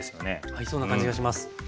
合いそうな感じがします。